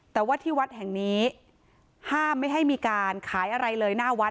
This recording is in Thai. แต่ว่าที่วัดแห่งนี้ห้ามไม่ให้มีการขายอะไรเลยหน้าวัด